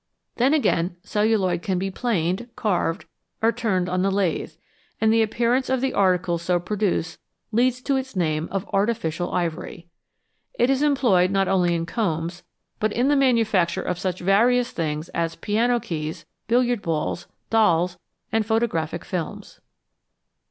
Then, again, celluloid can be planed, carved, or turned on the lathe, and the appearance of the articles so pro duced leads to its name of " artificial ivory." It is em ployed not only in combs, but in the manufacture of such various things as piano keys, billiard balls, dolls, and photographic films.